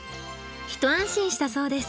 一安心したそうです。